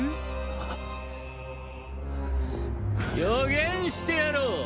予言してやろう！